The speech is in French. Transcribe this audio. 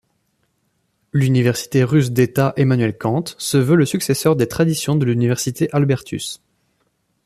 L'université russe d'État Emmanuel-Kant se veut le successeur des traditions de l'université Albertus.